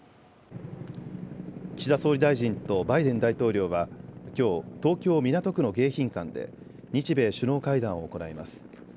岸田総理大臣とバイデン大統領はきょう東京港区の迎賓館で日米首脳会談を行います。